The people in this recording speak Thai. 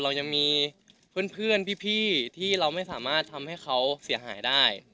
เรายังมีเพื่อนพี่ที่เราไม่สามารถทำให้เขาเสียหายได้